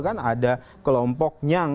ada kelompok yang